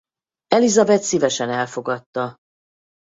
Elizabeth szívesen elfogadta.